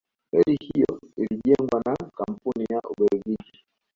meli hiyo ilijengwa na kampuni ya ubelgiji